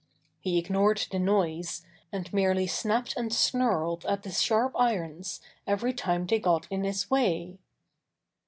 He ignored the noise, and merely snapped and snarled at the sharp irons every time they got in his way.